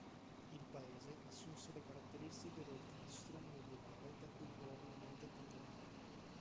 Il paese assunse le caratteristiche del Castrum medievale da cui probabilmente prende il nome.